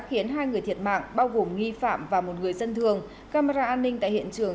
khiến hai người thiệt mạng bao gồm nghi phạm và một người dân thường camera an ninh tại hiện trường